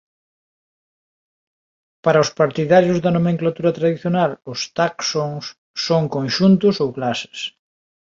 Para os partidarios da nomenclatura tradicional os taxons son conxuntos ou clases.